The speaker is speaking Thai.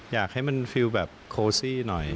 อยากให้มันฟิลแบบโคซี่หน่อย